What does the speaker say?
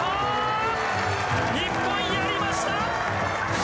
日本やりました！